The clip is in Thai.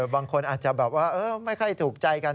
บางคนอาจจะแบบว่าไม่ค่อยถูกใจกัน